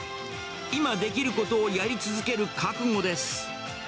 今できることをやり続ける覚悟です。